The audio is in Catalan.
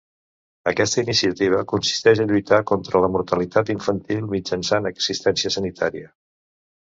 Aquesta iniciativa consisteix a lluitar contra la mortalitat infantil mitjançant assistència sanitària.